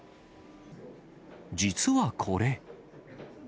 実はこれ。